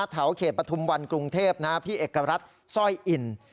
เถาเขตประธุมวันกรุงเทพฯพี่เอกรัฐซ่อยอิ่น